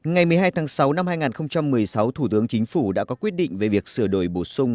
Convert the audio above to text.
ngày một mươi hai tháng sáu năm hai nghìn một mươi sáu thủ tướng chính phủ đã có quyết định về việc sửa đổi bổ sung